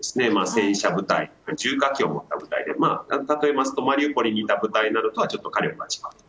戦車部隊、重火器を持った部隊でマリウポリにいた部隊などとはちょっと違う。